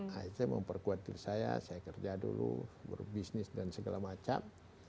akhirnya saya memperkuat diri saya saya kerja dulu berbisnis dan segala macam